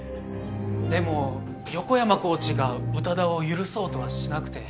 でも横山コーチが宇多田を許そうとはしなくて。